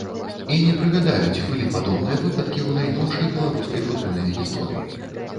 І не прыгадаю, ці былі падобныя выпадкі ў найноўшай беларускай футбольнай гісторыі.